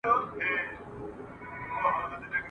او تر اوسه مي نه مادي ..